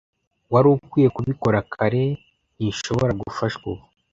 Wari ukwiye kubikora kare. Ntishobora gufashwa ubu.